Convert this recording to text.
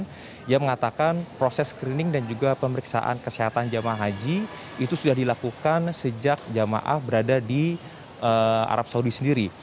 dia mengatakan proses screening dan juga pemeriksaan kesehatan jemaah haji itu sudah dilakukan sejak jamaah berada di arab saudi sendiri